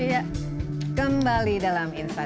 iya kembali dalam insight